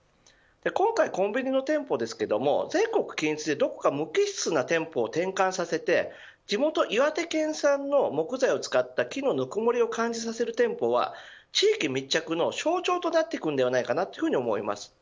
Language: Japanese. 今回、コンビニの店舗ですけど全国均一で、どこか無機質な店舗を転換させて地元岩手県産の木材を使った木のぬくもりを感じさせる店舗は地域密着の象徴となってくると思います。